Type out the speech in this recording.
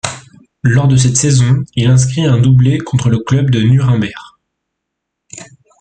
Lors de cette saison, il inscrit un doublé contre le club de Nuremberg.